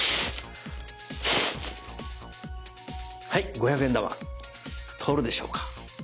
はい五百円玉通るでしょうか？